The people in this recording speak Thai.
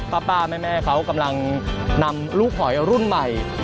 ป้าแม่เขากำลังนำลูกหอยรุ่นใหม่